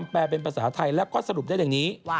เป็นภาษาไทยแล้วก็สรุปได้แบบนี้